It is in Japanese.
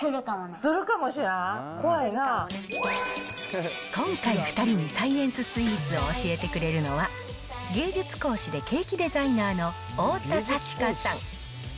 するかもしらん、今回、２人にサイエンススイーツを教えてくれるのは、芸術講師でケーキデザイナーの太田さちかさん。